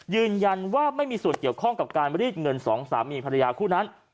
ยืนยันว่าไม่มีส่วนเกี่ยวข้องกับการรีดเงินสองสามีภรรยาคู่นั้น